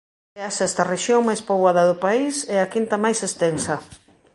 É a sexta rexión máis poboada do país e a quinta máis extensa.